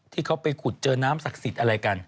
ที่เขาไปขุดเจอน้ำศักดิ์สิทธิ์อะไรกัน